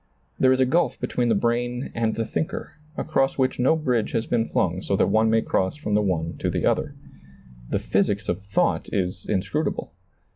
There is a gulf between the brain and the thinker, across which no bridge has been flung so that one may cross from the one to the other. The physics of thought is inscrutable.